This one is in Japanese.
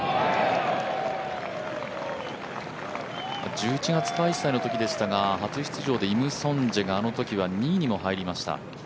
１１月開催の時でしたが初出場のイムソンジェがあのときは２位にも入りました。